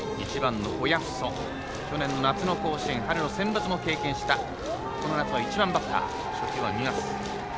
１番の親富祖去年夏の甲子園春のセンバツも経験したこの夏の１番バッター、初球は見逃し。